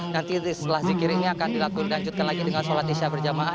nanti setelah zikir ini akan dilakukan lagi dengan sholat isya berjamaah